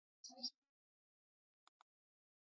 يو فلم The Beast of War په نوم مشهور دے.